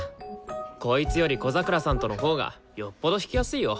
こいつより小桜さんとのほうがよっぽど弾きやすいよ。